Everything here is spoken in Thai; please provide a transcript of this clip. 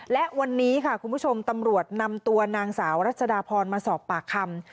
และวันนี้ค่ะคุณผู้ชมตำรวจนำตัวนางสาวรัชดาพรมาสอบปากคำ